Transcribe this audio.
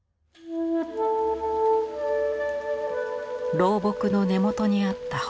老木の根元にあった洞。